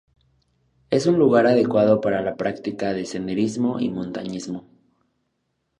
Es un lugar adecuado para la práctica de senderismo y montañismo.